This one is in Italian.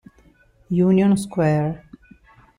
Union Square